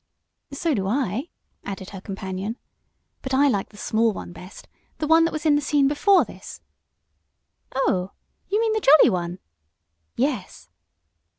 "So do I," added her companion. "But I like the small one best the one that was in the scene before this." "Oh, you mean the jolly one?" "Yes."